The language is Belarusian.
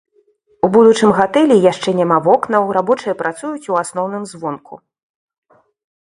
У будучым гатэлі яшчэ няма вокнаў, рабочыя працуюць у асноўным звонку.